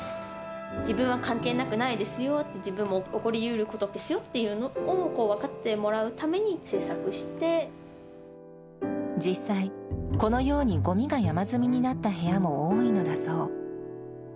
自分は関係なくないですよって、自分も起こりうることですよっていうことを分かってもらうために実際、このようにごみが山積みになった部屋も多いのだそう。